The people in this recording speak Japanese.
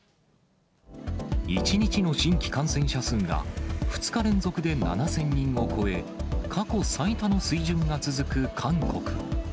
１日の新規感染者数が２日連続で７０００人を超え、過去最多の水準が続く韓国。